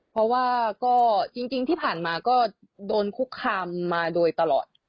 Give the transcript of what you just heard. เพราะว่าก็จริงที่ผ่านมาก็โดนคุกคามมาโดยตลอด